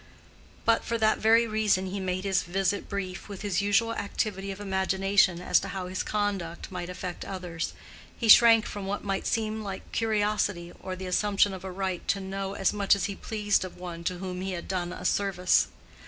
But for that very reason he made his visit brief with his usual activity of imagination as to how his conduct might affect others, he shrank from what might seem like curiosity or the assumption of a right to know as much as he pleased of one to whom he had done a service.